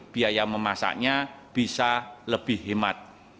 biaya memasaknya bisa lebih hemat